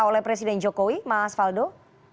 oleh presiden jokowi mas faldo